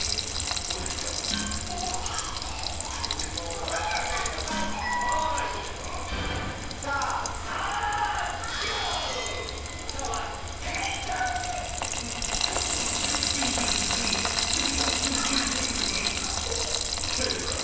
これですから。